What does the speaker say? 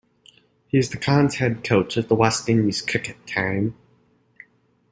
He is the current head coach of the West Indies cricket team.